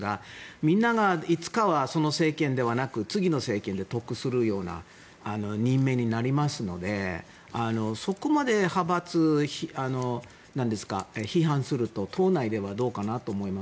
みんながいつかはその政権ではなく次の政権で得するような任命になりますのでそこまで派閥批判すると党内ではどうかなと思います。